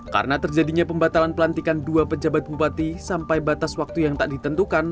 karena terjadinya pembatalan pelantikan dua pejabat bupati sampai batas waktu yang tak ditentukan